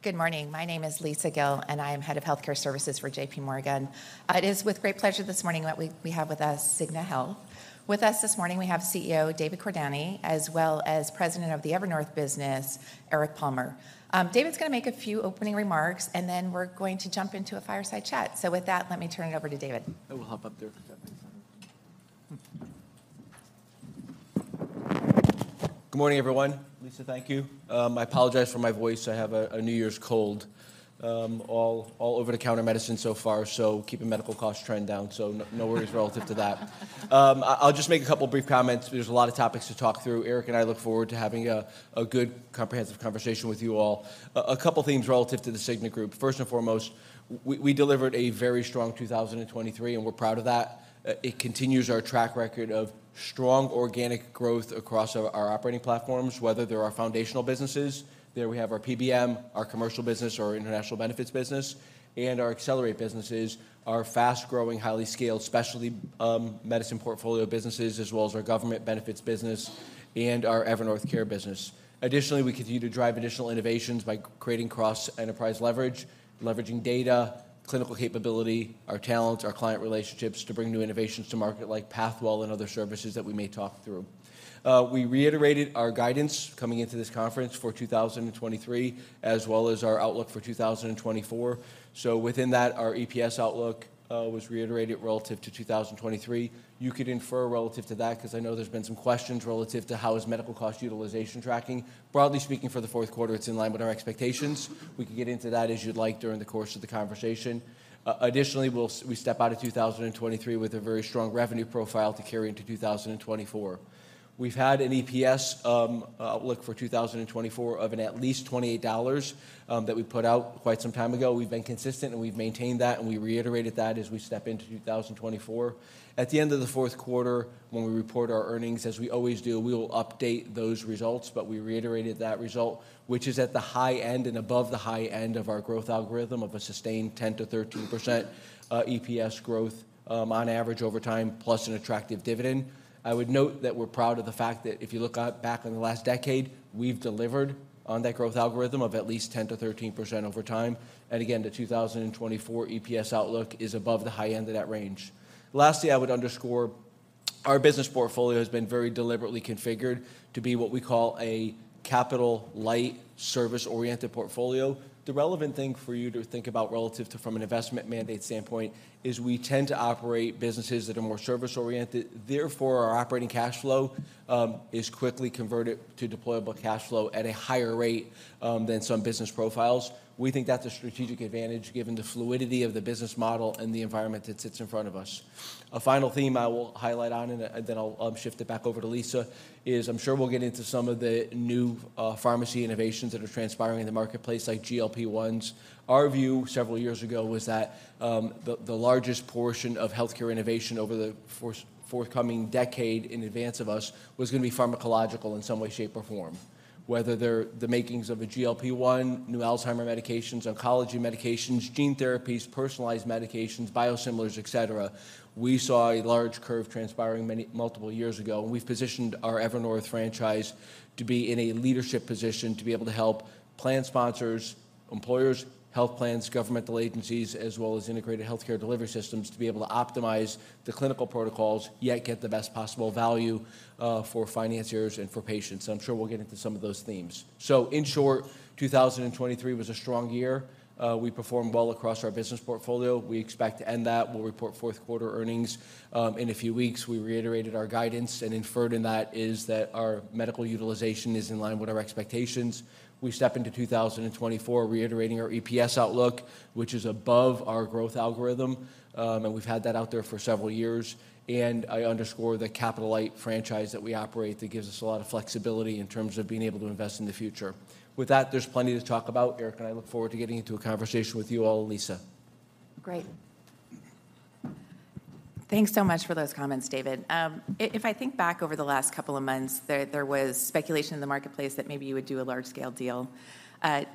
Good morning. My name is Lisa Gill, and I am Head of Healthcare Services for J.P. Morgan. It is with great pleasure this morning that we have with us Cigna Health. With us this morning, we have CEO David Cordani, as well as President of the Evernorth Business, Eric Palmer. David's gonna make a few opening remarks, and then we're going to jump into a fireside chat. So with that, let me turn it over to David. I will hop up there if that makes sense. Good morning, everyone. Lisa, thank you. I apologize for my voice. I have a New Year's cold. All over-the-counter medicine so far, so keeping medical costs trend down, so no worries relative to that. I'll just make a couple brief comments. There's a lot of topics to talk through. Eric and I look forward to having a good, comprehensive conversation with you all. A couple things relative to The Cigna Group. First and foremost, we delivered a very strong 2023, and we're proud of that. It continues our track record of strong organic growth across our operating platforms, whether they're our foundational businesses. There we have our PBM, our commercial business, our International Benefits business, and our Accelerate businesses, our fast-growing, highly scaled specialty medicine portfolio businesses, as well as our government benefits business and our Evernorth care business. Additionally, we continue to drive additional innovations by creating cross-enterprise leverage, leveraging data, clinical capability, our talents, our client relationships, to bring new innovations to market, like Pathwell and other services that we may talk through. We reiterated our guidance coming into this conference for 2023, as well as our outlook for 2024. So within that, our EPS outlook was reiterated relative to 2023. You could infer relative to that, 'cause I know there's been some questions relative to how is medical cost utilization tracking. Broadly speaking, for the fourth quarter, it's in line with our expectations. We can get into that as you'd like during the course of the conversation. Additionally, we step out of 2023 with a very strong revenue profile to carry into 2024. We've had an EPS outlook for 2024 of at least $28 that we put out quite some time ago. We've been consistent, and we've maintained that, and we reiterated that as we step into 2024. At the end of the fourth quarter, when we report our earnings, as we always do, we will update those results, but we reiterated that result, which is at the high end and above the high end of our growth algorithm of a sustained 10%-13% EPS growth on average over time, plus an attractive dividend. I would note that we're proud of the fact that if you look out, back on the last decade, we've delivered on that growth algorithm of at least 10%-13% over time, and again, the 2024 EPS outlook is above the high end of that range. Lastly, I would underscore, our business portfolio has been very deliberately configured to be what we call a capital light, service-oriented portfolio. The relevant thing for you to think about relative to an investment mandate standpoint is we tend to operate businesses that are more service-oriented. Therefore, our operating cash flow is quickly converted to deployable cash flow at a higher rate than some business profiles. We think that's a strategic advantage, given the fluidity of the business model and the environment that sits in front of us. A final theme I will highlight on, and then I'll shift it back over to Lisa, is I'm sure we'll get into some of the new pharmacy innovations that are transpiring in the marketplace, like GLP-1s. Our view several years ago was that the largest portion of healthcare innovation over the forthcoming decade in advance of us was gonna be pharmacological in some way, shape, or form. Whether they're the makings of a GLP-1, new Alzheimer medications, oncology medications, gene therapies, personalized medications, biosimilars, et cetera, we saw a large curve transpiring many, multiple years ago, and we've positioned our Evernorth franchise to be in a leadership position, to be able to help plan sponsors, employers, health plans, governmental agencies, as well as integrated healthcare delivery systems, to be able to optimize the clinical protocols, yet get the best possible value, for financiers and for patients, and I'm sure we'll get into some of those themes. So in short, 2023 was a strong year. We performed well across our business portfolio. We expect to end that. We'll report fourth quarter earnings, in a few weeks. We reiterated our guidance, and inferred in that is that our medical utilization is in line with our expectations. We step into 2024 reiterating our EPS outlook, which is above our growth algorithm, and we've had that out there for several years, and I underscore the capital-light franchise that we operate that gives us a lot of flexibility in terms of being able to invest in the future. With that, there's plenty to talk about. Eric and I look forward to getting into a conversation with you all, and Lisa. Great. Thanks so much for those comments, David. If I think back over the last couple of months, there was speculation in the marketplace that maybe you would do a large-scale deal.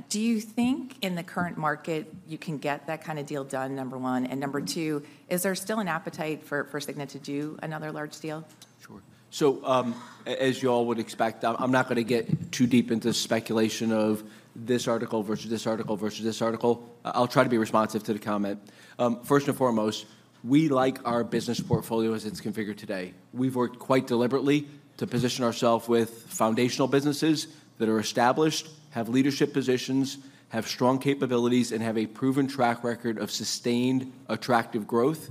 Do you think in the current market you can get that kinda deal done, number one? And number two, is there still an appetite for Cigna to do another large deal? Sure. So, as you all would expect, I'm not gonna get too deep into speculation of this article versus this article versus this article. I'll try to be responsive to the comment. First and foremost, we like our business portfolio as it's configured today. We've worked quite deliberately to position ourselves with foundational businesses that are established, have leadership positions, have strong capabilities, and have a proven track record of sustained, attractive growth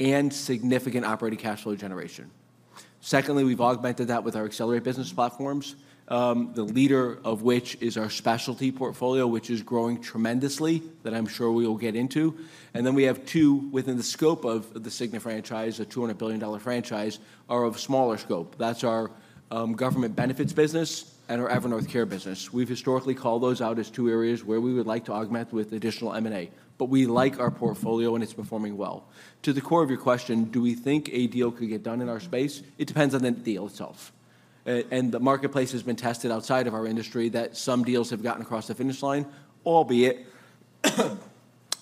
and significant operating cash flow generation. Secondly, we've augmented that with our accelerate business platforms, the leader of which is our specialty portfolio, which is growing tremendously, that I'm sure we will get into. And then we have two within the scope of the Cigna franchise, a $200 billion franchise, are of smaller scope. That's our government benefits business and our Evernorth Care business. We've historically called those out as two areas where we would like to augment with additional M&A, but we like our portfolio, and it's performing well. To the core of your question, do we think a deal could get done in our space? It depends on the deal itself, and the marketplace has been tested outside of our industry, that some deals have gotten across the finish line, albeit...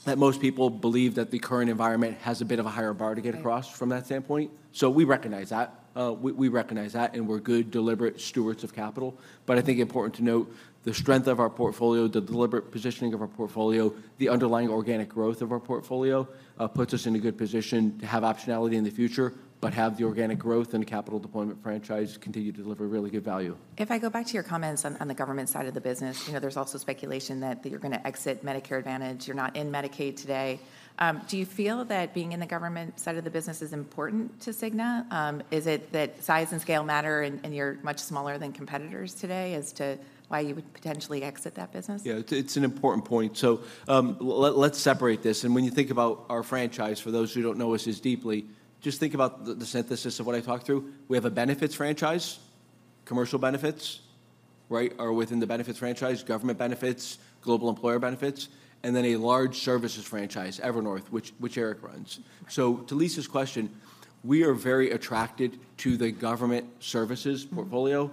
that most people believe that the current environment has a bit of a higher bar to get across. Right. From that standpoint. So we recognize that. We recognize that, and we're good, deliberate stewards of capital. But I think important to note, the strength of our portfolio, the deliberate positioning of our portfolio, the underlying organic growth of our portfolio, puts us in a good position to have optionality in the future, but have the organic growth and capital deployment franchise continue to deliver really good value. If I go back to your comments on the government side of the business, you know, there's also speculation that you're gonna exit Medicare Advantage. You're not in Medicaid today. Do you feel that being in the government side of the business is important to Cigna? Is it that size and scale matter, and you're much smaller than competitors today as to why you would potentially exit that business? Yeah, it's, it's an important point. So, let's separate this, and when you think about our franchise, for those who don't know us as deeply, just think about the synthesis of what I talked through. We have a benefits franchise, commercial benefits, right, are within the benefits franchise, government benefits, global employer benefits, and then a large services franchise, Evernorth, which Eric runs. So to Lisa's question, we are very attracted to the government services portfolio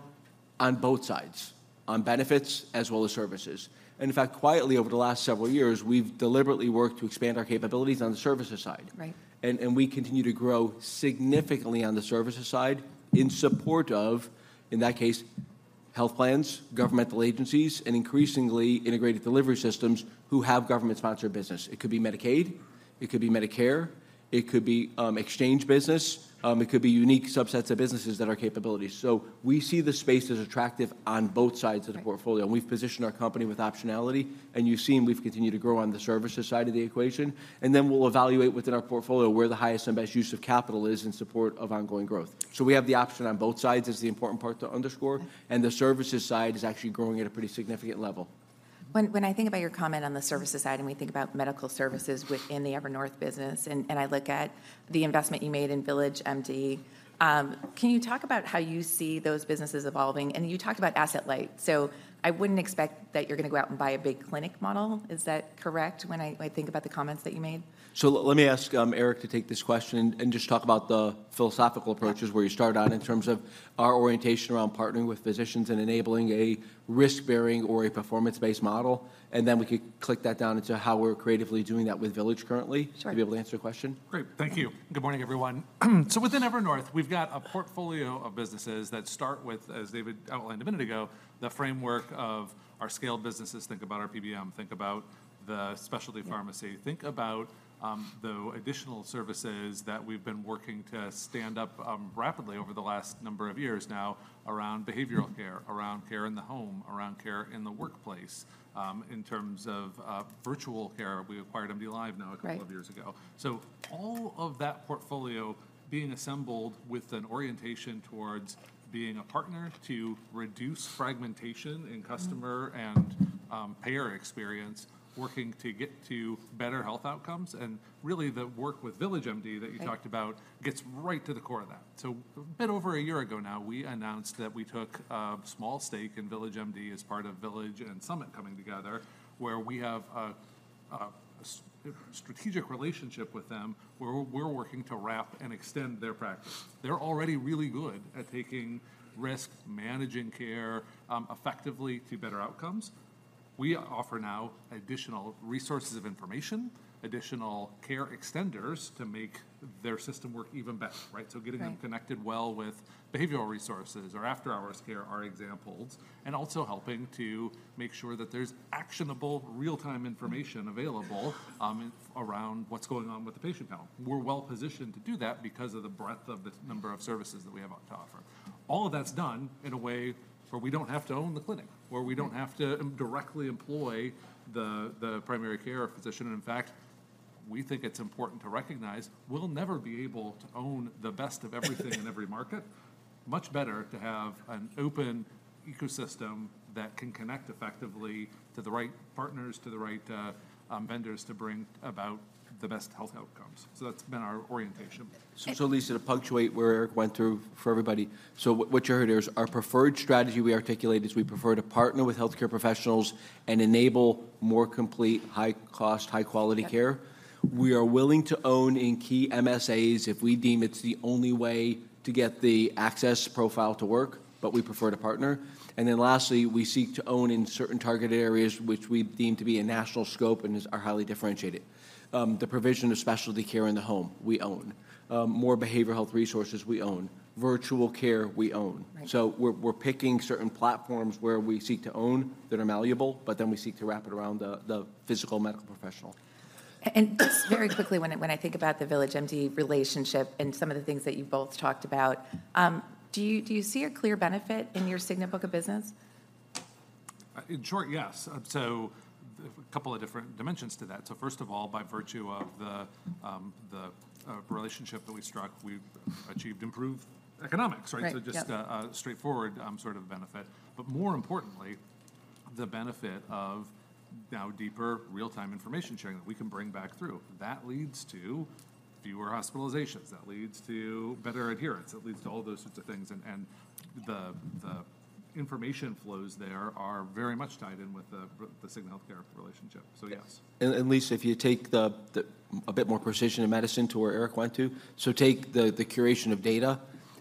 on both sides, on benefits as well as services. And in fact, quietly over the last several years, we've deliberately worked to expand our capabilities on the services side. Right. And we continue to grow significantly on the services side in support of, in that case, health plans, governmental agencies, and increasingly integrated delivery systems who have government-sponsored business. It could be Medicaid, it could be Medicare, it could be exchange business, it could be unique subsets of businesses that are capabilities. So we see the space as attractive on both sides of the portfolio. Right. We've positioned our company with optionality, and you've seen we've continued to grow on the services side of the equation, and then we'll evaluate within our portfolio where the highest and best use of capital is in support of ongoing growth. So we have the option on both sides, is the important part to underscore. Okay.... and the services side is actually growing at a pretty significant level. When I think about your comment on the services side, and we think about medical services within the Evernorth business, and I look at the investment you made in VillageMD, can you talk about how you see those businesses evolving? And you talked about asset light, so I wouldn't expect that you're gonna go out and buy a big clinic model. Is that correct, when I think about the comments that you made? So let me ask Eric to take this question and just talk about the philosophical approaches. Yeah.... where you started on in terms of our orientation around partnering with physicians and enabling a risk-bearing or a performance-based model, and then we could click that down into how we're creatively doing that with VillageMD currently- Sure.... to be able to answer your question. Great. Thank you. Good morning, everyone. So within Evernorth, we've got a portfolio of businesses that start with, as David outlined a minute ago, the framework of our scaled businesses. Think about our PBM, think about the Specialty Pharmacy. Mm.... think about the additional services that we've been working to stand up rapidly over the last number of years now around behavioral care, around care in the home, around care in the workplace. In terms of virtual care, we acquired MDLIVE now- Right.... a couple of years ago. So all of that portfolio being assembled with an orientation towards being a partner to reduce fragmentation in customer- Mm.... and, payer experience, working to get to better health outcomes, and really, the work with VillageMD that you talked about- Right.... gets right to the core of that. So a bit over a year ago now, we announced that we took a small stake in VillageMD as part of Village and Summit coming together, where we have a strategic relationship with them, where we're working to wrap and extend their practice. They're already really good at taking risk, managing care effectively to better outcomes. We offer now additional resources of information, additional care extenders to make their system work even better, right? Right. So getting them connected well with behavioral resources or after-hours care are examples, and also helping to make sure that there's actionable, real-time information available, around what's going on with the patient panel. We're well-positioned to do that because of the breadth of the number of services that we have to offer. All of that's done in a way where we don't have to own the clinic, where we don't have to directly employ the primary care physician. And in fact, we think it's important to recognize we'll never be able to own the best of everything in every market. Much better to have an open ecosystem that can connect effectively to the right partners, to the right, vendors, to bring about the best health outcomes. So that's been our orientation. So- So, Lisa, to punctuate where Eric went through for everybody, so what, what you heard there is our preferred strategy we articulate is we prefer to partner with healthcare professionals and enable more complete, high-cost, high-quality care. Yep. We are willing to own in key MSAs if we deem it's the only way to get the access profile to work, but we prefer to partner. Then lastly, we seek to own in certain targeted areas which we deem to be a national scope and are highly differentiated. The provision of specialty care in the home, we own. More behavioral health resources, we own. Virtual care, we own. Right. So we're picking certain platforms where we seek to own that are malleable, but then we seek to wrap it around the physical medical professional. Just very quickly, when I think about the VillageMD relationship and some of the things that you've both talked about, do you see a clear benefit in your Cigna book of business? In short, yes. So a couple of different dimensions to that. So first of all, by virtue of the relationship that we struck, we've achieved improved economics, right? Right. Yep. So just a straightforward sort of benefit, but more importantly, the benefit of now deeper real-time information sharing that we can bring back through. That leads to fewer hospitalizations, that leads to better adherence, it leads to all those sorts of things, and the information flows there are very much tied in with the Cigna Healthcare relationship. So, yes. Lisa, if you take a bit more precision in medicine to where Eric went to, so take the curation of data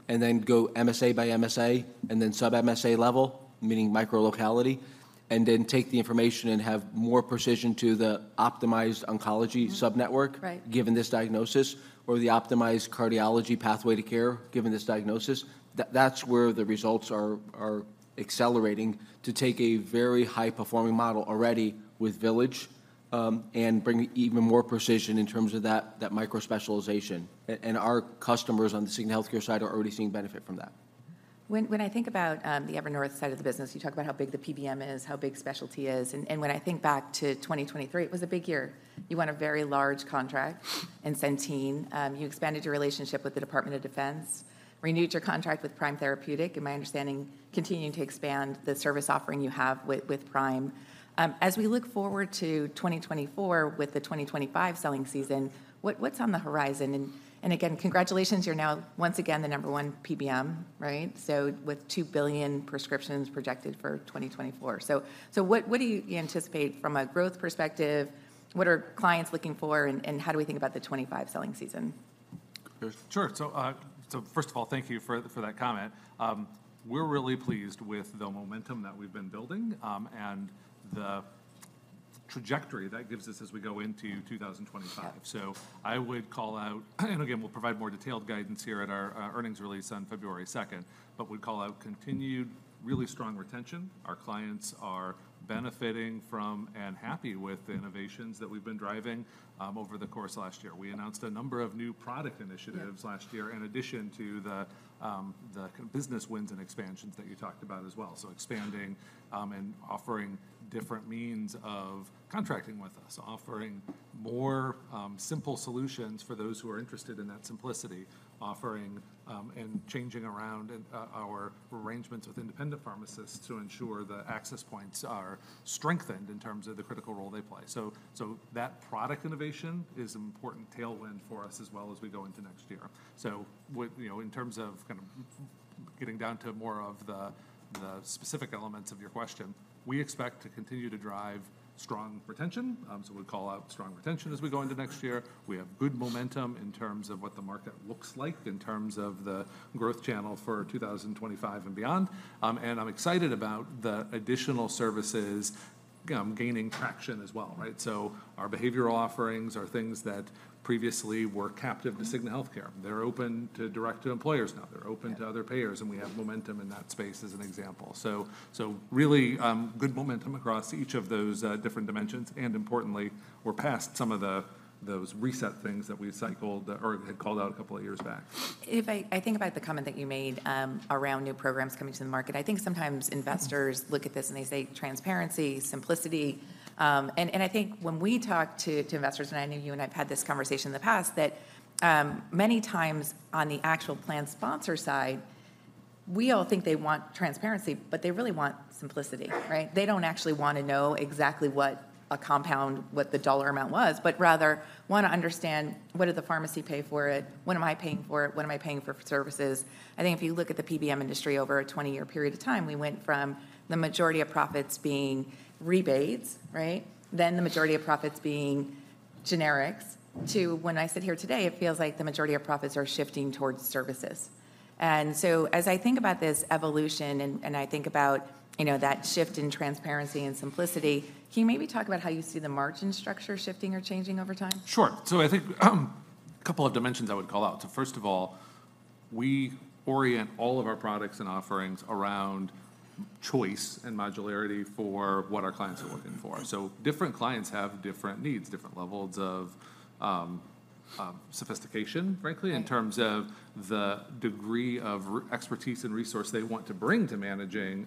and then go MSA by MSA and then sub-MSA level, meaning micro locality, and then take the information and have more precision to the optimized oncology sub-network... Right. ...given this diagnosis, or the optimized cardiology pathway to care, given this diagnosis. That's where the results are accelerating, to take a very high-performing model already with Village, and bring even more precision in terms of that micro-specialization. And our customers on the Cigna Healthcare side are already seeing benefit from that. When, when I think about the Evernorth side of the business, you talk about how big the PBM is, how big specialty is, and, and when I think back to 2023, it was a big year. You won a very large contract in Centene. You expanded your relationship with the Department of Defense, renewed your contract with Prime Therapeutics, in my understanding, continuing to expand the service offering you have with, with Prime. As we look forward to 2024, with the 2025 selling season, what, what's on the horizon? And, and again, congratulations, you're now once again the number one PBM, right? So with 2 billion prescriptions projected for 2024. So, so what, what do you anticipate from a growth perspective, what are clients looking for, and, and how do we think about the 2025 selling season? Sure. So, so first of all, thank you for, for that comment. We're really pleased with the momentum that we've been building, and the trajectory that gives us as we go into 2025. Yeah. So I would call out—and again, we'll provide more detailed guidance here at our earnings release on February 2nd, but would call out continued, really strong retention. Our clients are benefiting from, and happy with, the innovations that we've been driving over the course of last year. We announced a number of new product initiatives- Yeah.... last year, in addition to the business wins and expansions that you talked about as well. So expanding and offering different means of contracting with us, offering more simple solutions for those who are interested in that simplicity, offering and changing around and our arrangements with independent pharmacists to ensure the access points are strengthened in terms of the critical role they play. So that product innovation is an important tailwind for us as well as we go into next year. So with, you know, in terms of kind of getting down to more of the specific elements of your question, we expect to continue to drive strong retention. So we call out strong retention as we go into next year. We have good momentum in terms of what the market looks like in terms of the growth channel for 2025 and beyond. I'm excited about the additional services, gaining traction as well, right? Our behavioral offerings are things that previously were captive to Cigna Healthcare. They're open to direct to employers now. Yeah. They're open to other payers, and we have momentum in that space, as an example. So really, good momentum across each of those different dimensions, and importantly, we're past some of those reset things that we cycled or had called out a couple of years back. If I think about the comment that you made, around new programs coming to the market, I think sometimes investors look at this, and they say, "Transparency, simplicity." And I think when we talk to investors, and I know you and I have had this conversation in the past, that many times on the actual plan sponsor side, we all think they want transparency, but they really want simplicity, right? They don't actually want to know exactly what a compound, what the dollar amount was, but rather want to understand, what did the pharmacy pay for it? What am I paying for it? What am I paying for services? I think if you look at the PBM industry over a 20-year period of time, we went from the majority of profits being rebates, right? Then the majority of profits being generics, to when I sit here today, it feels like the majority of profits are shifting towards services. And so as I think about this evolution, and I think about, you know, that shift in transparency and simplicity, can you maybe talk about how you see the margin structure shifting or changing over time? Sure. So I think, a couple of dimensions I would call out. So first of all, we orient all of our products and offerings around choice and modularity for what our clients are looking for. So different clients have different needs, different levels of sophistication, frankly- Right.... in terms of the degree of expertise and resource they want to bring to managing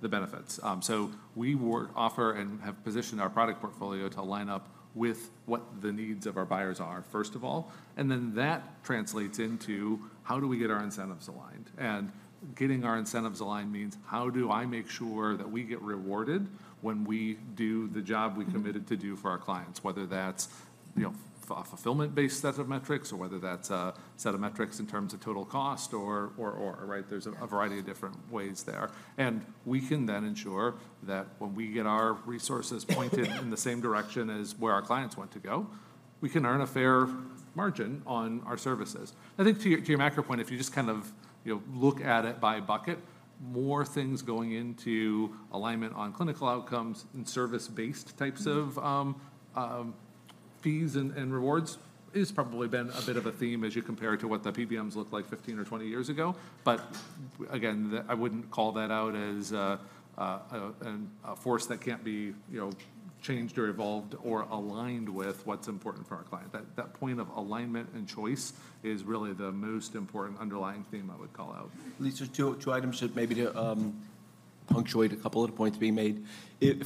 the benefits. So we would offer and have positioned our product portfolio to line up with what the needs of our buyers are, first of all, and then that translates into: How do we get our incentives aligned? And getting our incentives aligned means, how do I make sure that we get rewarded when we do the job we committed to do for our clients, whether that's, you know, a fulfillment-based set of metrics, or whether that's a set of metrics in terms of total cost or, right? Yeah. There's a variety of different ways there. We can then ensure that when we get our resources pointed in the same direction as where our clients want to go, we can earn a fair margin on our services. I think to your, to your macro point, if you just kind of, you know, look at it by bucket, more things going into alignment on clinical outcomes and service-based types of- Mm-hmm.... fees and rewards, it's probably been a bit of a theme as you compare to what the PBMs looked like 15 or 20 years ago. But again, I wouldn't call that out as a force that can't be, you know, changed or evolved or aligned with what's important for our client. That point of alignment and choice is really the most important underlying theme I would call out. Lisa, two items that maybe to punctuate a couple of the points being made.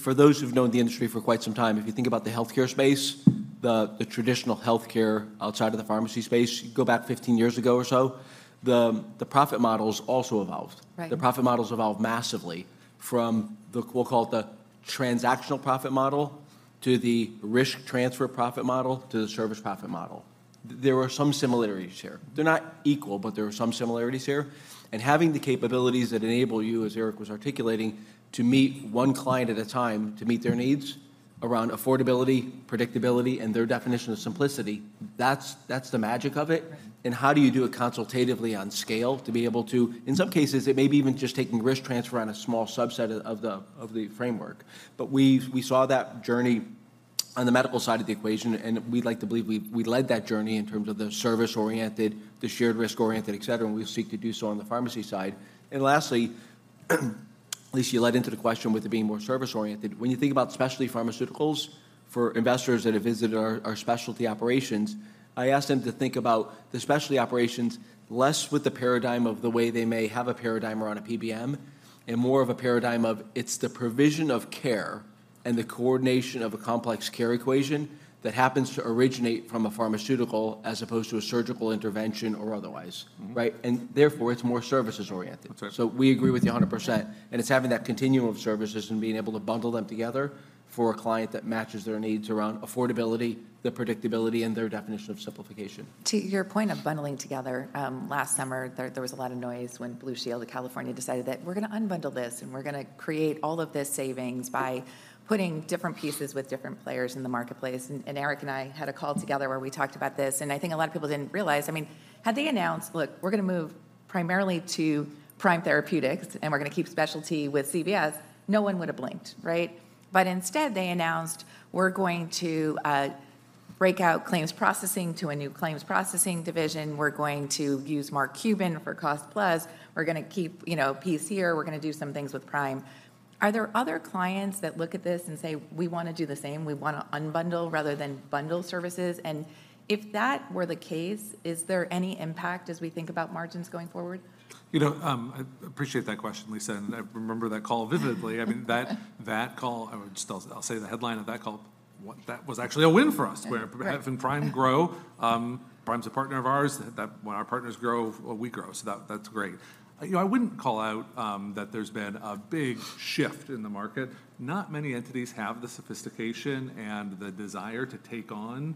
For those who've known the industry for quite some time, if you think about the healthcare space, the traditional healthcare outside of the pharmacy space, you go back 15 years ago or so, the profit models also evolved. Right. The profit models evolved massively from the, we'll call it the transactional profit model, to the risk transfer profit model, to the service profit model. There are some similarities here. They're not equal, but there are some similarities here, and having the capabilities that enable you, as Eric was articulating, to meet one client at a time, to meet their needs around affordability, predictability, and their definition of simplicity. That's, that's the magic of it. Right. And how do you do it consultatively on scale to be able to, in some cases, it may be even just taking risk transfer on a small subset of, of the, of the framework. But we've, we saw that journey on the medical side of the equation, and we'd like to believe we, we led that journey in terms of the service-oriented, the shared risk-oriented, et cetera, and we seek to do so on the pharmacy side. And lastly, Lisa, you led into the question with it being more service-oriented. When you think about specialty pharmaceuticals, for investors that have visited our specialty operations, I ask them to think about the specialty operations less with the paradigm of the way they may have a paradigm around a PBM, and more of a paradigm of it's the provision of care and the coordination of a complex care equation that happens to originate from a pharmaceutical as opposed to a surgical intervention or otherwise. Mm-hmm. Right? And therefore, it's more services-oriented. That's right. So we agree with you 100%, and it's having that continuum of services and being able to bundle them together for a client that matches their needs around affordability, the predictability, and their definition of simplification. To your point of bundling together, last summer, there was a lot of noise when Blue Shield of California decided that, "We're gonna unbundle this, and we're gonna create all of this savings by putting different pieces with different players in the marketplace." And Eric and I had a call together where we talked about this, and I think a lot of people didn't realize... I mean, had they announced, "Look, we're gonna move primarily to Prime Therapeutics, and we're gonna keep specialty with CVS," no one would have blinked, right? But instead, they announced, "We're going to break out claims processing to a new claims processing division. We're going to use Mark Cuban for Cost Plus. We're gonna keep, you know, piece here. We're gonna do some things with Prime." Are there other clients that look at this and say, "We wanna do the same"? We wanna unbundle rather than bundle services?" And if that were the case, is there any impact as we think about margins going forward? You know, I appreciate that question, Lisa, and I remember that call vividly. I mean, that call, just I'll say the headline of that call, that was actually a win for us- Right.... where we have Prime grow. Prime's a partner of ours, that when our partners grow, well, we grow. So that, that's great. You know, I wouldn't call out that there's been a big shift in the market. Not many entities have the sophistication and the desire to take on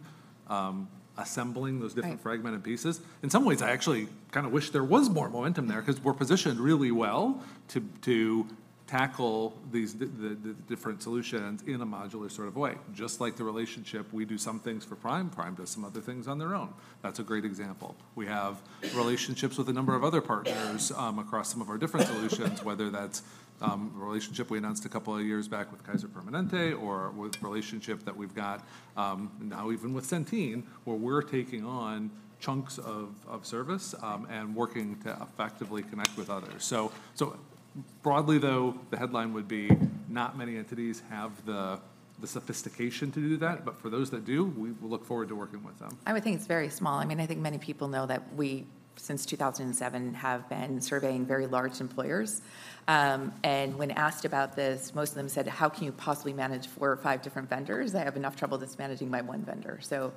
assembling those- Right.... different fragmented pieces. In some ways, I actually kinda wish there was more momentum there 'cause we're positioned really well to tackle these different solutions in a modular sort of way. Just like the relationship, we do some things for Prime, Prime does some other things on their own. That's a great example. We have relationships with a number of other partners across some of our different solutions, whether that's a relationship we announced a couple of years back with Kaiser Permanente or with the relationship that we've got now even with Centene, where we're taking on chunks of service and working to effectively connect with others. Broadly, though, the headline would be, not many entities have the sophistication to do that, but for those that do, we will look forward to working with them. I would think it's very small. I mean, I think many people know that we, since 2007, have been surveying very large employers. And when asked about this, most of them said: "How can you possibly manage four or five different vendors? I have enough trouble just managing my one vendor." So,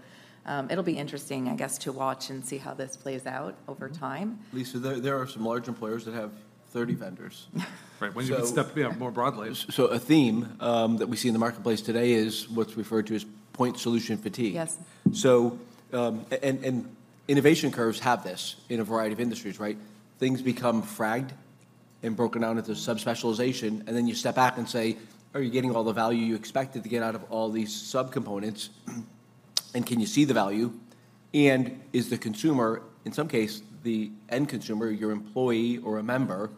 it'll be interesting- Mm.... I guess, to watch and see how this plays out over time. Lisa, there are some large employers that have 30 vendors. Right. Once you can step, yeah, more broadly. So a theme that we see in the marketplace today is what's referred to as point solution fatigue. Yes. So, and innovation curves have this in a variety of industries, right? Things become fragmented and broken down into sub-specialization, and then you step back and say: Are you getting all the value you expected to get out of all these subcomponents? And can you see the value? And is the consumer, in some case, the end consumer, your employee or a member,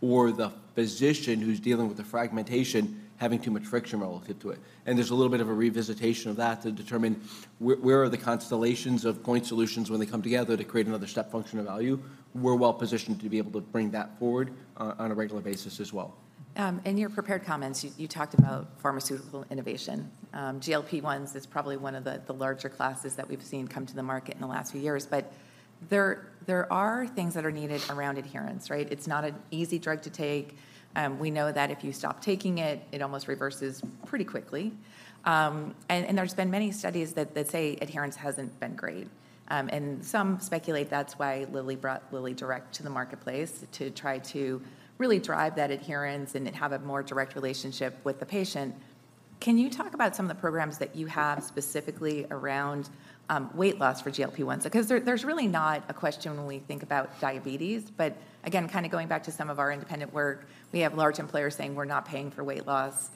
or the physician who's dealing with the fragmentation, having too much friction relative to it. And there's a little bit of a revisitation of that to determine where are the constellations of point solutions when they come together to create another step function of value. We're well-positioned to be able to bring that forward on a regular basis as well. In your prepared comments, you talked about pharmaceutical innovation. GLP-1s is probably one of the larger classes that we've seen come to the market in the last few years. But there are things that are needed around adherence, right? It's not an easy drug to take. We know that if you stop taking it, it almost reverses pretty quickly. And there's been many studies that say adherence hasn't been great. And some speculate that's why Lilly brought LillyDirect to the marketplace to try to really drive that adherence and have a more direct relationship with the patient. Can you talk about some of the programs that you have specifically around weight loss for GLP-1s? Because there, there's really not a question when we think about diabetes, but again, kinda going back to some of our independent work, we have large employers saying: "We're not paying for weight loss,"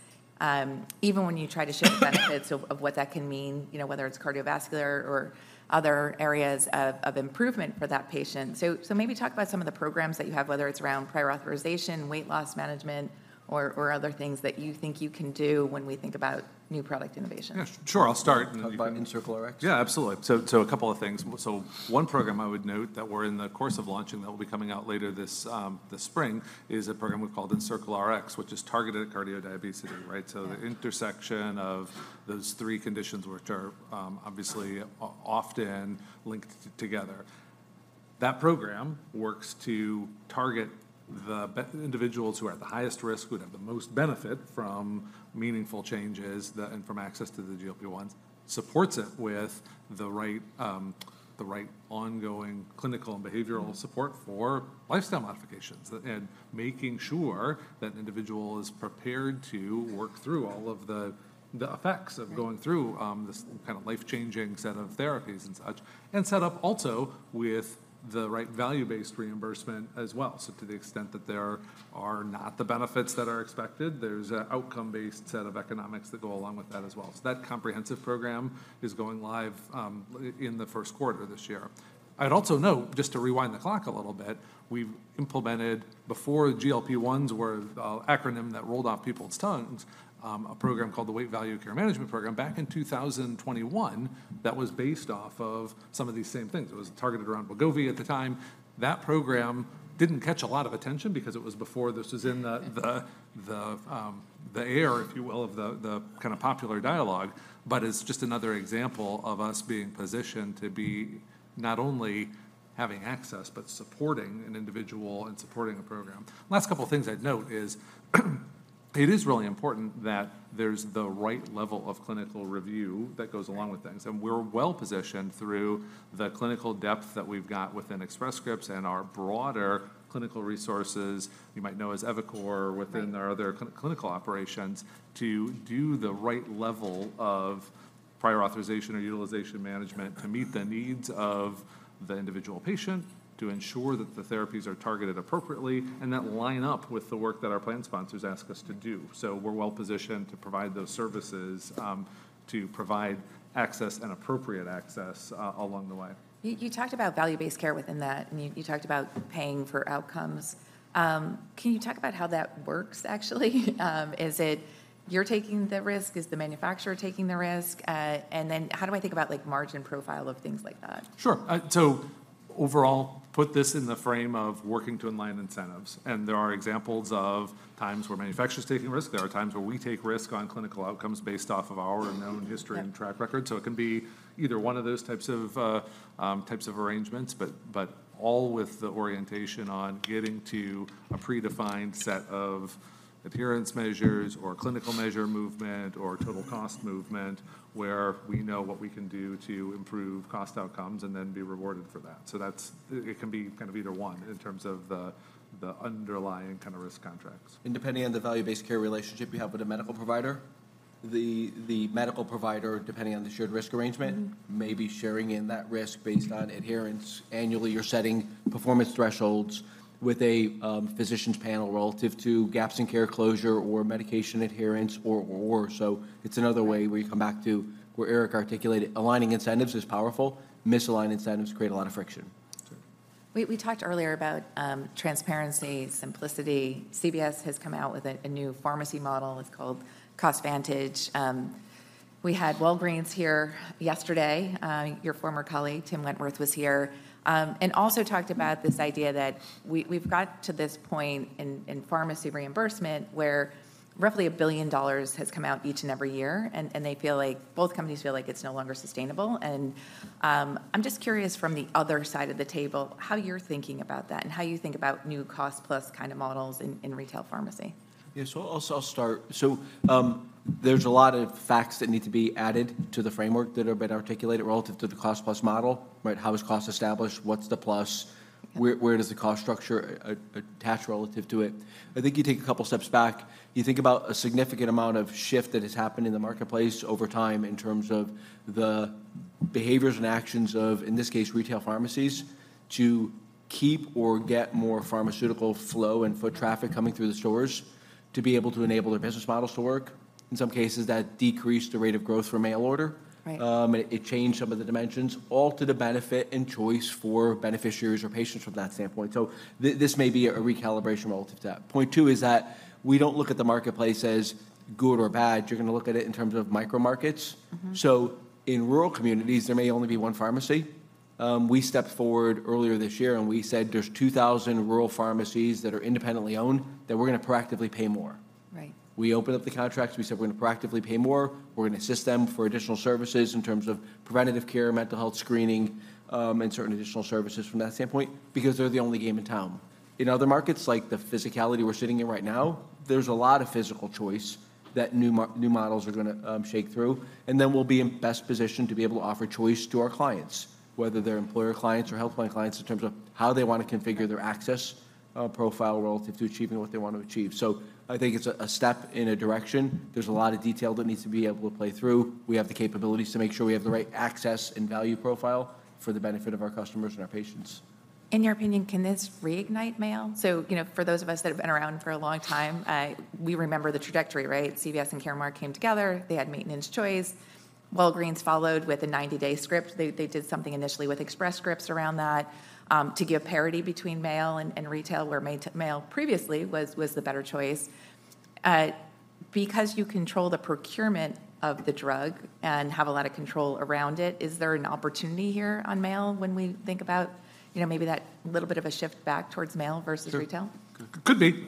even when you try to show the benefits of what that can mean, you know, whether it's cardiovascular or other areas of improvement for that patient. So maybe talk about some of the programs that you have, whether it's around prior authorization, weight loss management, or other things that you think you can do when we think about new product innovation. Yeah, sure, I'll start and- Talk about EnCircleRx? Yeah, absolutely. So a couple of things. So one program I would note that we're in the course of launching, that will be coming out later this spring, is a program we've called EnCircleRx, which is targeted at cardio-diabetes, right? Yeah. So the intersection of those three conditions, which are obviously often linked together. That program works to target the individuals who are at the highest risk, who'd have the most benefit from meaningful changes and from access to the GLP-1s, supports it with the right ongoing clinical and behavioral support for lifestyle modifications and making sure that an individual is prepared to work through all of the effects- Right.... of going through, this kind of life-changing set of therapies and such, and set up also with the right value-based reimbursement as well. So to the extent that there are not the benefits that are expected, there's a outcome-based set of economics that go along with that as well. So that comprehensive program is going live, in the first quarter this year. I'd also note, just to rewind the clock a little bit, we've implemented, before GLP-1s were the acronym that rolled off people's tongues, a program called the Weight Value Care Management Program back in 2021, that was based off of some of these same things. It was targeted around Wegovy at the time. That program didn't catch a lot of attention because it was before this was in the air, if you will, of the kinda popular dialogue, but is just another example of us being positioned to be not only having access, but supporting an individual and supporting a program. Last couple of things I'd note is, it is really important that there's the right level of clinical review that goes along with things. And we're well-positioned through the clinical depth that we've got within Express Scripts and our broader clinical resources, you might know as eviCore- Right.... within our other clinical operations, to do the right level of prior authorization or utilization management to meet the needs of the individual patient, to ensure that the therapies are targeted appropriately, and that line up with the work that our plan sponsors ask us to do. So we're well-positioned to provide those services, to provide access and appropriate access, along the way. You talked about value-based care within that, and you talked about paying for outcomes. Can you talk about how that works, actually? Is it you're taking the risk? Is the manufacturer taking the risk? And then how do I think about, like, margin profile of things like that? Sure. So overall, put this in the frame of working to align incentives, and there are examples of times where manufacturer's taking risk. There are times where we take risk on clinical outcomes based off of our known history- Yep.... and track record. So it can be either one of those types of arrangements, but all with the orientation on getting to a predefined set of adherence measures or clinical measure movement or total cost movement, where we know what we can do to improve cost outcomes and then be rewarded for that. So that's. It can be kind of either one in terms of the underlying kind of risk contracts. Depending on the value-based care relationship you have with a medical provider, the medical provider, depending on the shared risk arrangement- Mm-hmm.... may be sharing in that risk based on adherence. Annually, you're setting performance thresholds with a physician's panel relative to gaps in care closure or medication adherence or so it's another way- Right.... where you come back to where Eric articulated. Aligning incentives is powerful. Misaligned incentives create a lot of friction. Sure. We talked earlier about transparency, simplicity. CVS has come out with a new pharmacy model. It's called CostVantage. We had Walgreens here yesterday. Your former colleague, Tim Wentworth, was here and also talked about this idea that we've got to this point in pharmacy reimbursement, where roughly $1 billion has come out each and every year, and they feel like, both companies feel like it's no longer sustainable. I'm just curious from the other side of the table, how you're thinking about that and how you think about new cost plus kinda models in retail pharmacy? Yeah. So I'll start. So, there's a lot of facts that need to be added to the framework that have been articulated relative to the cost plus model, right? How is cost established? What's the plus? Mm-hmm. Where does the cost structure attach relative to it? I think you take a couple steps back. You think about a significant amount of shift that has happened in the marketplace over time in terms of the behaviors and actions of, in this case, retail pharmacies, to keep or get more pharmaceutical flow and foot traffic coming through the stores to be able to enable their business models to work. In some cases, that decreased the rate of growth for mail order. Right. It changed some of the dimensions, all to the benefit and choice for beneficiaries or patients from that standpoint. So this may be a recalibration relative to that. Point two is that we don't look at the marketplace as good or bad. You're gonna look at it in terms of micro markets. Mm-hmm. So in rural communities, there may only be one pharmacy. We stepped forward earlier this year, and we said, "There's 2,000 rural pharmacies that are independently owned, that we're gonna proactively pay more. Right. We opened up the contracts, we said, "We're gonna proactively pay more. We're gonna assist them for additional services in terms of preventative care, mental health screening, and certain additional services from that standpoint, because they're the only game in town." In other markets, like the physicality we're sitting in right now, there's a lot of physical choice that new models are gonna shake through, and then we'll be in best position to be able to offer choice to our clients, whether they're employer clients or health plan clients, in terms of how they wanna configure their access profile relative to achieving what they want to achieve. So I think it's a step in a direction. There's a lot of detail that needs to be able to play through. We have the capabilities to make sure we have the right access and value profile for the benefit of our customers and our patients. In your opinion, can this reignite mail? So, you know, for those of us that have been around for a long time, we remember the trajectory, right? CVS and Caremark came together. They had maintenance choice. Walgreens followed with a 90-day script. They did something initially with Express Scripts around that, to give parity between mail and retail, where mail previously was the better choice. Because you control the procurement of the drug and have a lot of control around it, is there an opportunity here on mail when we think about, you know, maybe that little bit of a shift back towards mail versus retail? Sure. Could be.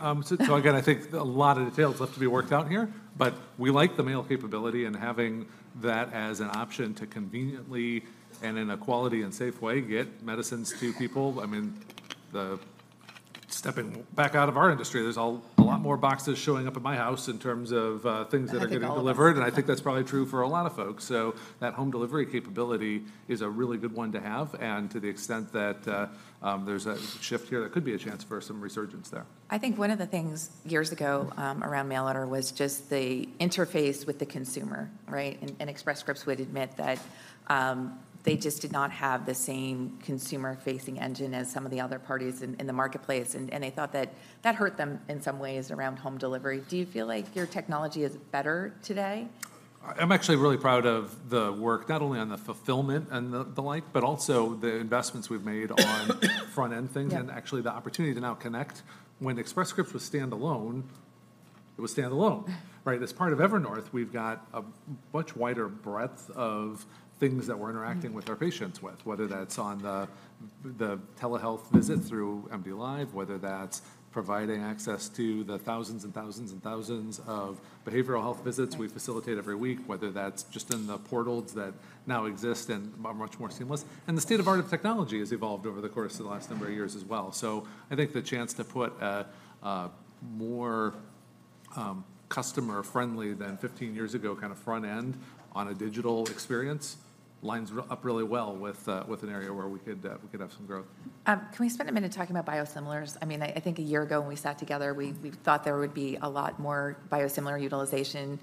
So again, I think a lot of details left to be worked out here, but we like the mail capability and having that as an option to conveniently and in a quality and safe way, get medicines to people. I mean, stepping back out of our industry, there's a lot more boxes showing up at my house in terms of, things that are getting delivered. I think all of us. I think that's probably true for a lot of folks. So that home delivery capability is a really good one to have, and to the extent that, there's a shift here, there could be a chance for some resurgence there. I think one of the things, years ago, around mail order, was just the interface with the consumer, right? And Express Scripts would admit that they just did not have the same consumer-facing engine as some of the other parties in the marketplace, and they thought that hurt them in some ways around home delivery. Do you feel like your technology is better today?... I'm actually really proud of the work, not only on the fulfillment and the like, but also the investments we've made on front-end things- Yep. and actually the opportunity to now connect. When Express Scripts was standalone, it was standalone. Right? As part of Evernorth, we've got a much wider breadth of things that we're interacting with our patients with, whether that's on the telehealth visit through MDLIVE, whether that's providing access to the thousands and thousands and thousands of behavioral health visits- Right.... we facilitate every week, whether that's just in the portals that now exist and are much more seamless. And the state-of-the-art technology has evolved over the course of the last number of years as well. So I think the chance to put a more customer-friendly than 15 years ago, kind of front end on a digital experience, lines up really well with with an area where we could we could have some growth. Can we spend a minute talking about biosimilars? I mean, I think a year ago when we sat together, we thought there would be a lot more biosimilar utilization.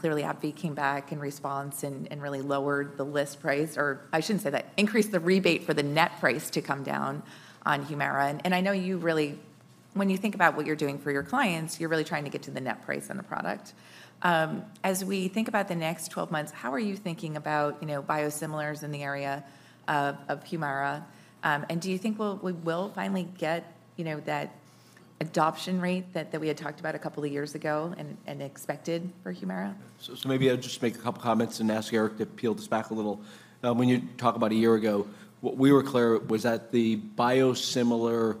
Clearly, AbbVie came back in response and really lowered the list price, or I shouldn't say that, increased the rebate for the net price to come down on Humira. And I know you really... When you think about what you're doing for your clients, you're really trying to get to the net price on the product. As we think about the next 12 months, how are you thinking about, you know, biosimilars in the area of Humira? And do you think we will finally get, you know, that adoption rate that we had talked about a couple of years ago and expected for Humira? So, maybe I'll just make a couple comments and ask Eric to peel this back a little. When you talk about a year ago, what we were clear was that the biosimilar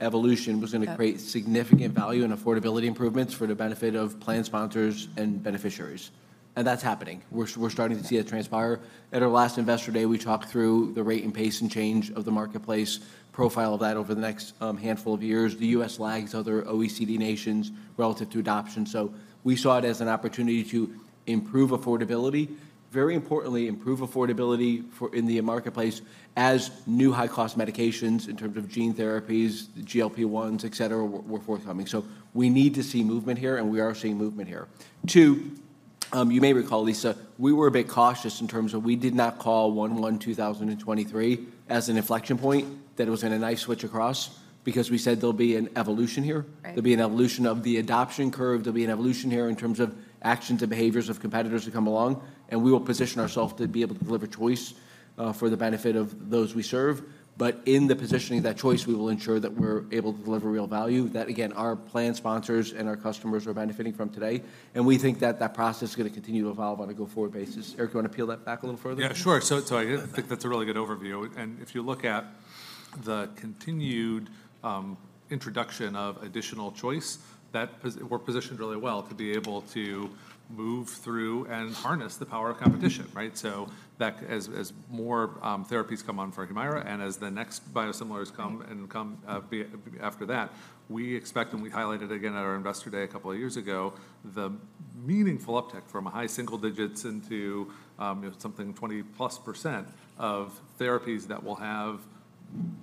evolution- Yep.... was going to create significant value and affordability improvements for the benefit of plan sponsors and beneficiaries, and that's happening. We're, we're starting to see that transpire. At our last Investor Day, we talked through the rate and pace, and change of the marketplace profile of that over the next handful of years. The US lags other OECD nations relative to adoption, so we saw it as an opportunity to improve affordability. Very importantly, improve affordability in the marketplace as new high-cost medications, in terms of gene therapies, GLP-1s, et cetera, were, were forthcoming. So we need to see movement here, and we are seeing movement here. Two, you may recall, Lisa, we were a bit cautious in terms of we did not call 1/1/2023 as an inflection point, that it was in a nice switch across, because we said there'll be an evolution here. Right. There'll be an evolution of the adoption curve. There'll be an evolution here in terms of actions and behaviors of competitors who come along, and we will position ourselves to be able to deliver choice for the benefit of those we serve. But in the positioning of that choice, we will ensure that we're able to deliver real value, that, again, our plan sponsors and our customers are benefiting from today, and we think that that process is going to continue to evolve on a go-forward basis. Eric, you want to peel that back a little further? Yeah, sure. So, I think that's a really good overview. And if you look at the continued introduction of additional choice, we're positioned really well to be able to move through and harness the power of competition, right? So as more therapies come on for Humira, and as the next biosimilars come after that, we expect, and we highlighted again at our Investor Day a couple of years ago, the meaningful uptick from high single digits into, you know, something 20%+ of therapies that will have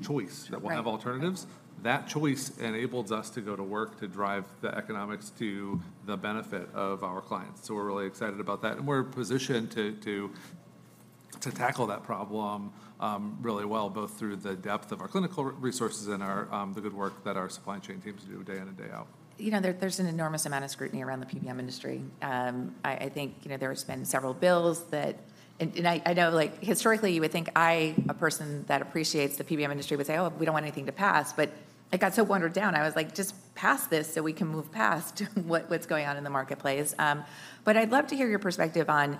choice- Right.... that will have alternatives. That choice enables us to go to work to drive the economics to the benefit of our clients, so we're really excited about that. And we're positioned to tackle that problem really well, both through the depth of our clinical resources and our the good work that our supply chain teams do day in and day out. You know, there's an enormous amount of scrutiny around the PBM industry. I think, you know, there has been several bills that... And I know, like, historically, you would think I, a person that appreciates the PBM industry, would say, "Oh, we don't want anything to pass." But I got so watered down, I was like: Just pass this so we can move past what's going on in the marketplace. But I'd love to hear your perspective on,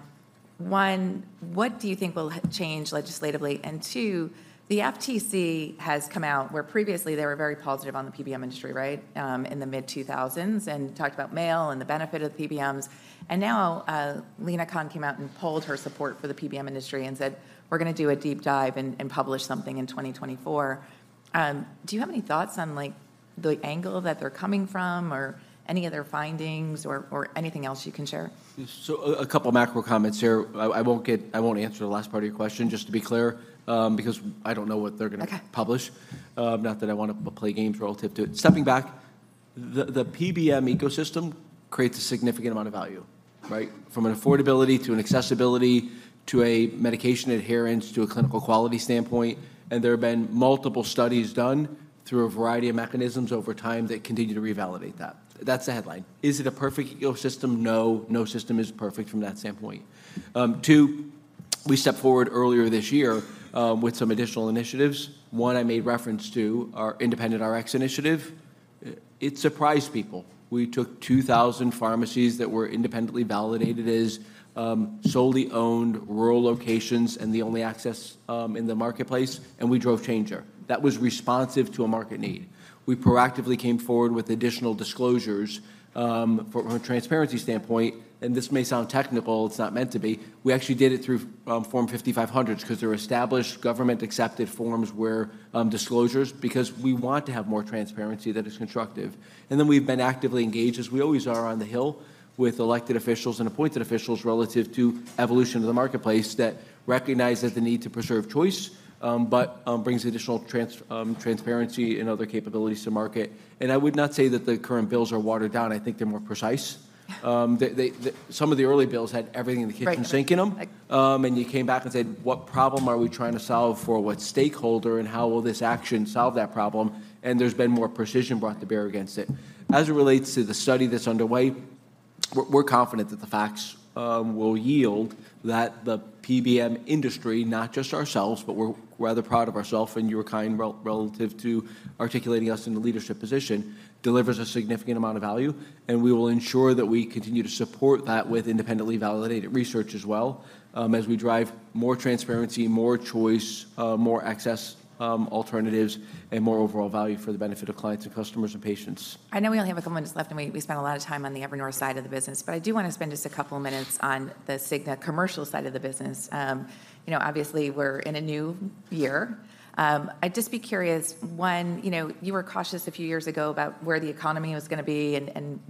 one, what do you think will change legislatively? And two, the FTC has come out, where previously they were very positive on the PBM industry, right, in the mid-2000s, and talked about mail and the benefit of PBMs. And now, Lina Khan came out and pulled her support for the PBM industry and said, "We're gonna do a deep dive and, and publish something in 2024." Do you have any thoughts on, like, the angle that they're coming from or any of their findings or, or anything else you can share? So, a couple macro comments here. I won't—I won't answer the last part of your question, just to be clear, because I don't know what they're gonna— Okay.... publish, not that I want to play games relative to it. Stepping back, the PBM ecosystem creates a significant amount of value, right? From an affordability to an accessibility, to a medication adherence, to a clinical quality standpoint, and there have been multiple studies done through a variety of mechanisms over time that continue to revalidate that. That's the headline. Is it a perfect ecosystem? No. No system is perfect from that standpoint. Two, we stepped forward earlier this year with some additional initiatives. One I made reference to, our IndependentRx initiative. It surprised people. We took 2,000 pharmacies that were independently validated as solely owned rural locations and the only access in the marketplace, and we drove change there. That was responsive to a market need. We proactively came forward with additional disclosures, from a transparency standpoint, and this may sound technical, it's not meant to be, we actually did it through Form 5500s, because they're established, government-accepted forms where disclosures because we want to have more transparency that is constructive. And then we've been actively engaged, as we always are on the Hill, with elected officials and appointed officials relative to evolution of the marketplace, that recognize that the need to preserve choice, but brings additional transparency and other capabilities to market. And I would not say that the current bills are watered down. I think they're more precise. They, some of the early bills had everything in the kitchen sink in them- Right, like-... and you came back and said, "What problem are we trying to solve for what stakeholder, and how will this action solve that problem?" And there's been more precision brought to bear against it. As it relates to the study that's underway. We're confident that the facts will yield that the PBM industry, not just ourselves, but we're rather proud of ourself, and you were kind relative to articulating us in the leadership position, delivers a significant amount of value, and we will ensure that we continue to support that with independently validated research as well, as we drive more transparency, more choice, more access, alternatives, and more overall value for the benefit of clients and customers and patients. I know we only have a couple minutes left, and we, we spent a lot of time on the Evernorth side of the business, but I do wanna spend just a couple minutes on the Cigna commercial side of the business. You know, obviously, we're in a new year. I'd just be curious, one, you know, you were cautious a few years ago about where the economy was gonna be and, and,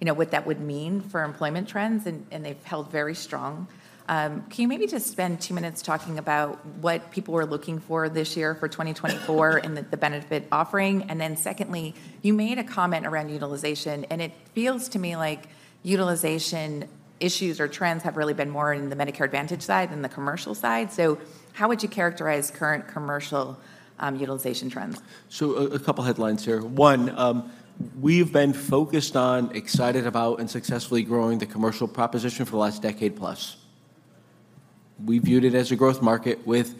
you know, what that would mean for employment trends, and, and they've held very strong. Can you maybe just spend two minutes talking about what people were looking for this year for 2024 and the, the benefit offering? And then secondly, you made a comment around utilization, and it feels to me like utilization issues or trends have really been more in the Medicare Advantage side than the commercial side. So how would you characterize current commercial utilization trends? So, a couple headlines here. One, we've been focused on, excited about, and successfully growing the commercial proposition for the last decade plus. We viewed it as a growth market with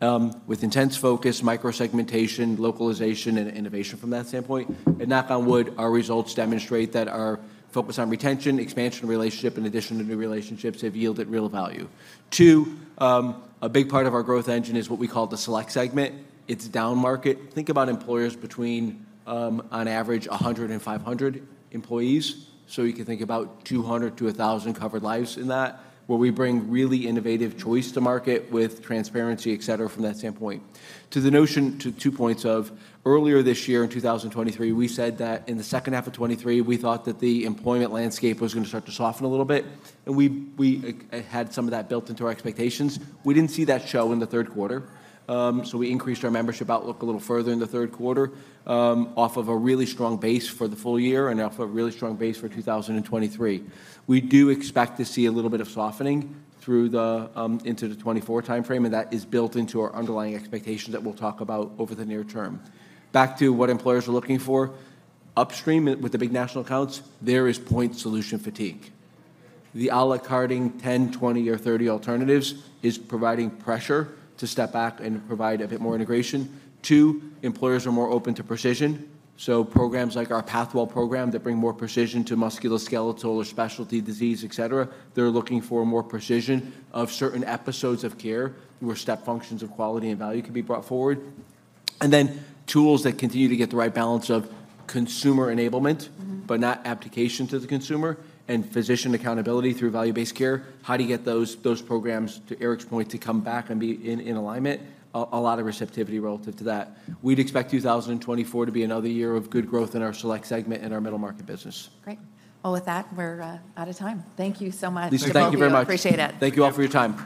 intense focus, micro-segmentation, localization, and innovation from that standpoint. And knock on wood, our results demonstrate that our focus on retention, expansion relationship, in addition to new relationships, have yielded real value. Two, a big part of our growth engine is what we call the select segment. It's down market. Think about employers between, on average, 100 and 500 employees, so you can think about 200 to 1,000 covered lives in that, where we bring really innovative choice to market with transparency, et cetera, from that standpoint. To the notion, to two points of earlier this year in 2023, we said that in the second half of 2023, we thought that the employment landscape was gonna start to soften a little bit, and we had some of that built into our expectations. We didn't see that show in the third quarter, so we increased our membership outlook a little further in the third quarter, off of a really strong base for the full year and off a really strong base for 2023. We do expect to see a little bit of softening through the into the 2024 timeframe, and that is built into our underlying expectations that we'll talk about over the near term. Back to what employers are looking for, upstream, with the big national accounts, there is point solution fatigue. The à la carte-ing 10, 20, or 30 alternatives is providing pressure to step back and provide a bit more integration. Two, employers are more open to precision, so programs like our Pathwell program that bring more precision to musculoskeletal or specialty disease, etc., they're looking for more precision of certain episodes of care, where step functions of quality and value can be brought forward. And then tools that continue to get the right balance of consumer enablement- Mm-hmm.... but not application to the consumer, and physician accountability through value-based care. How do you get those programs, to Eric's point, to come back and be in alignment? A lot of receptivity relative to that. We'd expect 2024 to be another year of good growth in our select segment in our middle market business. Great. Well, with that, we're out of time. Thank you so much to both of you. Lisa, thank you very much. We appreciate it. Thank you all for your time.